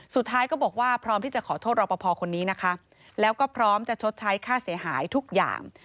สุดท้ายก็บอกว่าพร้อมที่จะขอโทษรอปภคนนี้นะคะแล้วก็พร้อมจะชดใช้ค่าเสียหายทุกอย่าง